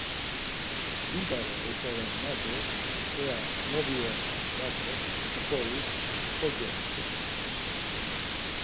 Bidare heşo renna do heya mobiyonare ya do oxazirus kogyoç̌ǩu.